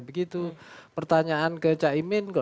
begitu pertanyaan ke cak imah